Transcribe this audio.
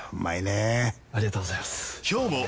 ありがとうございます！